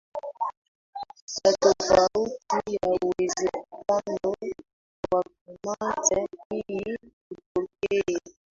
ya tofauti ya uwezekano wa primate hii hutokea